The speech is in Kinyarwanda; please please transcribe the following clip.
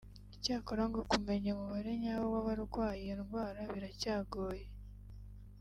Icyakora ngo kumenya umubare nyawo w’abarwaye iyo ndwara biracyagoye